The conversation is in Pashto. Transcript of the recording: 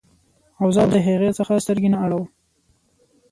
او زه د هغې څخه سترګې نه اړوم